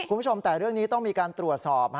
คุณผู้ชมแต่เรื่องนี้ต้องมีการตรวจสอบ